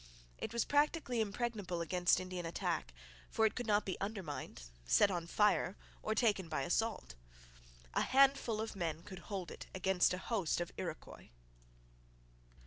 It was practically impregnable against Indian attack, for it could not be undermined, set on fire, or taken by assault. A handful of men could hold it against a host of Iroquois.